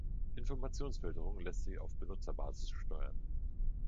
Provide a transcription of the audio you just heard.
Informationsfilterung lässt sich auf Benutzerbasis steuern.